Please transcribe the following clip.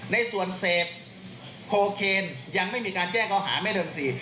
ในส่วนเสพโคเคนยังไม่มีการแจ้งเขาหาไม่เดิมที